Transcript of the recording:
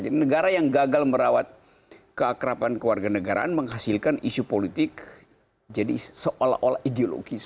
jadi negara yang gagal merawat keakrapan keluarga negaraan menghasilkan isu politik jadi seolah olah ideologis